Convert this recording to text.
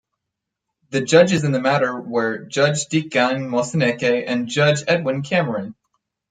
The judges in the matter were: Judge Dikgang Moseneke and Judge Edwin Cameron.